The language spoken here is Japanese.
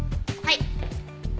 はい。